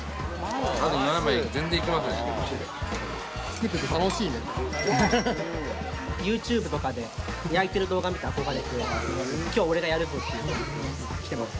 あと７枚全然いけますね作ってて楽しいねＹｏｕＴｕｂｅとかで焼いてる動画見て憧れて今日俺がやるぞっていう感じで来てます